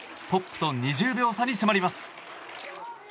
トップと２０秒差に迫ります。